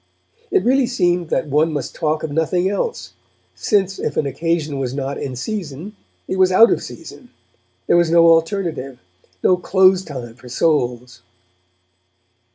It really seemed that one must talk of nothing else, since if an occasion was not in season it was out of season; there was no alternative, no close time for souls.